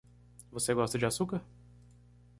Você gosta de açúcar?